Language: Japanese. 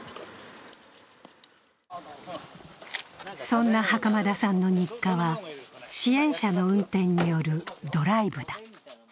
そんな袴田さんの日課は、支援者の運転によるドライブだ。